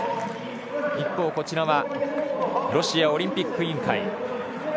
一方、ロシアオリンピック委員会。